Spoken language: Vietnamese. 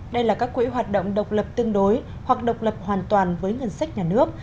đây là các quỹ hoạt động độc lập tương đối hoặc độc lập hoàn toàn với ngân sách nhà nước